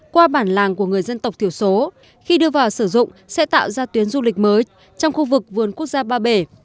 qua bản làng của người dân tộc thiểu số khi đưa vào sử dụng sẽ tạo ra tuyến du lịch mới trong khu vực vườn quốc gia ba bể